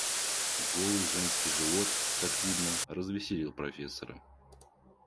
Голый женский живот, как видно, развеселил профессора.